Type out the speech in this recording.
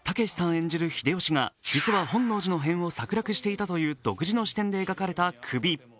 演じる秀吉が実は本能寺の変を策略していたという独自の視点で描かれた「首」。